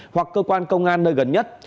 hoặc cơ quan công an nơi gần nhất